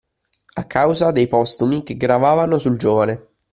A causa dei postumi che gravavano sul giovane